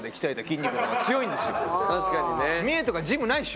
確かにね。